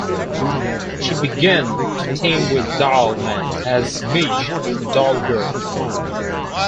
She began to team with Doll Man as Midge, the Doll Girl.